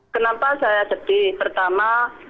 kenapa saya sedih pertama